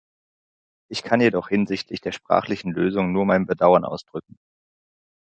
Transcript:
Ich kann jedoch hinsichtlich der sprachlichen Lösung nur mein Bedauern ausdrücken.